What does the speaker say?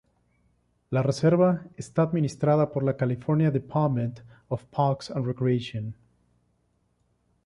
La reserva está administrada por la California Department of Parks and Recreation.